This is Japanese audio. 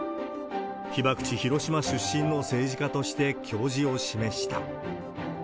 被爆地、広島出身の政治家としてきょうじを示した。